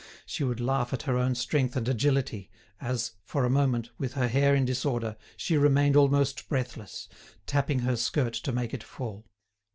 She would laugh at her own strength and agility as, for a moment, with her hair in disorder, she remained almost breathless, tapping her skirt to make it fall.